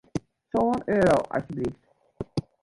Sân euro, asjeblyft.